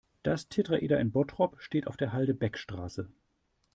Das Tetraeder in Bottrop steht auf der Halde Beckstraße.